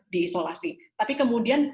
diisolasi tapi kemudian